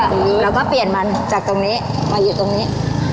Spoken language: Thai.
เราก็เปลี่ยนมันจากตรงนี้มาอยู่ตรงนี้